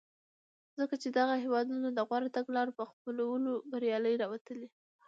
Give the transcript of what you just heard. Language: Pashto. ځکه چې دغه هېوادونه د غوره تګلارو په خپلولو بریالي راوتلي.